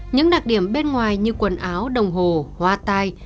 những đặc điểm bên ngoài như quần áo đồng hồ hoa tai